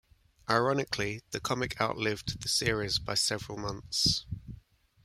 Ironically, the comic outlived the series by several months.